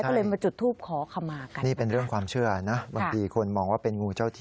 ก็เลยมาจุดทูปขอคำมากัน